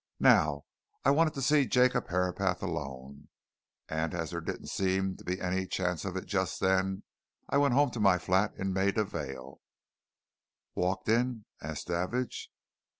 Now I wanted to see Jacob Herapath alone. And as there didn't seem to be any chance of it just then, I went home to my flat in Maida Vale." "Walked in?" asked Davidge.